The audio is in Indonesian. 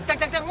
mudi apa cang